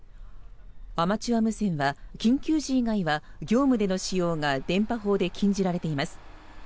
アマチュア無線は緊急時以外は業務での使用が電波法で禁じられています。